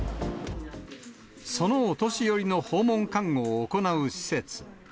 そのお年寄りの訪問看護を行う施設。